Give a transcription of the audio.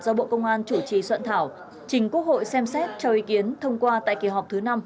do bộ công an chủ trì soạn thảo trình quốc hội xem xét cho ý kiến thông qua tại kỳ họp thứ năm